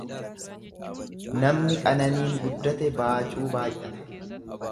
Namni qananiin guddate baacuu baay'ata.